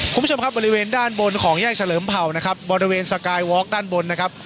คุณผู้ชมครับบริเวณด้านบนของแยกเฉลิมเผ่านะครับบริเวณสกายวอล์กด้านบนนะครับ